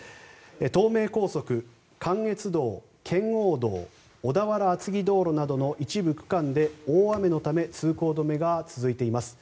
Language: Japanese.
東名高速、関越道、圏央道小田原厚木道路などの一部区間で大雨のため通行止めが続いています。